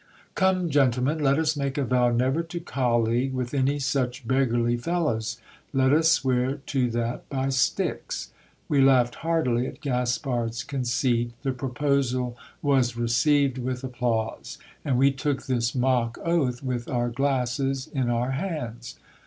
Come, gentlemen, Tet us make a vow never to colleague with any such beggarly fellows ; let us swear to that by Styx. We laughed heartily at Gaspard's conceit : the proposal was received with applause : and we took this mock oath with our glasses in our hands.